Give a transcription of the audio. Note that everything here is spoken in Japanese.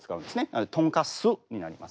なので「とんかす」になります。